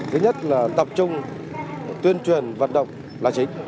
thứ nhất là tập trung tuyên truyền vận động là chính